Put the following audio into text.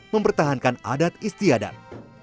mempertahankan adat istiadat